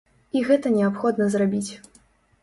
І гэта неабходна зрабіць.